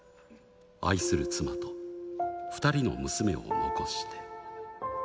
愛する妻と、２人の娘を残して。